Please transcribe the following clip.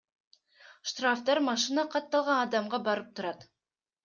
Штрафтар машина катталган адамга барып турат.